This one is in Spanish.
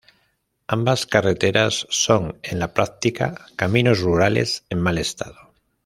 Ambas carreteras son en la práctica caminos rurales en mal estado.